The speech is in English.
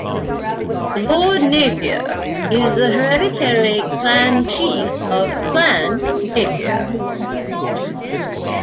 Lord Napier is the hereditary Clan Chief of Clan Napier.